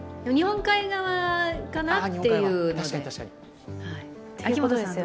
日本海側かなっていう。